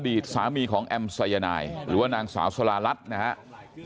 ตสามีของแอมสายนายหรือว่านางสาวสลารัสนะครับ